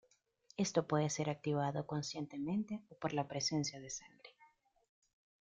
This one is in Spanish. Esto puede ser activado conscientemente o por la presencia de sangre.